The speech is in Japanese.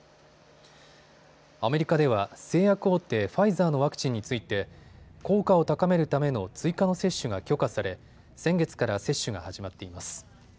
アメリカでは製薬大手、ファイザーのワクチンについて効果を高めるための追加の接種が許可され先月から接種が始まっています。